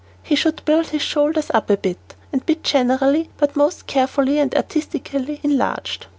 He should build his shoulders up a bit and be generally, but most carefully and artistically, enlarged.